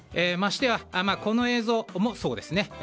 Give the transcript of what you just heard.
この映像もそうですね。